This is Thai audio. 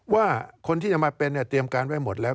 ว่าคนที่จะมาเป็นเนี่ยเตรียมการไว้หมดแล้ว